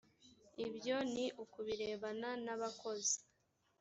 ibyo ni ukubirebana n‘abakozi,